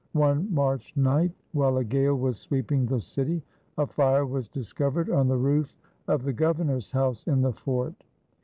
One March night, while a gale was sweeping the city, a fire was discovered on the roof of the Governor's house in the fort.